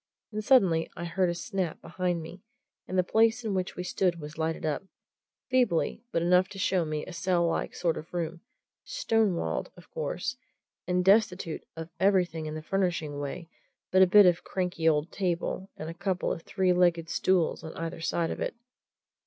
And suddenly I heard a snap behind me, and the place in which we stood was lighted up feebly, but enough to show me a cell like sort of room, stone walled, of course, and destitute of everything in the furnishing way but a bit of a cranky old table and a couple of three legged stools on either side of it.